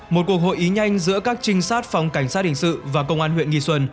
một cuộc hội ý nhanh giữa các trinh sát phòng cảnh sát hình sự và công an huyện nghi xuân